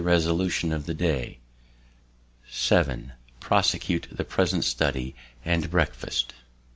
{} resolution of the day; { 7} prosecute the present {} study, and breakfast.